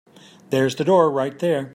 There's the door right there.